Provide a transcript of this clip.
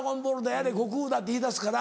やれ悟空だって言い出すから